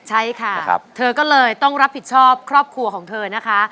ใช่ค่ะเธอก็เลยต้องรับผิดชอบครอบครัวของเธอนะคะ